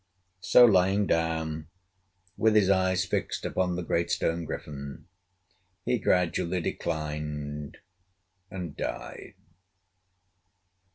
So, lying down, with his eyes fixed upon the great stone griffin, he gradually declined, and died.